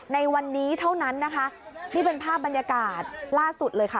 ในวันนี้เท่านั้นนะคะนี่เป็นภาพบรรยากาศล่าสุดเลยค่ะ